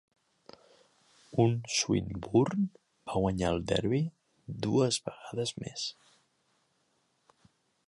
En Swinburn va guanyar el Derby dues vegades més.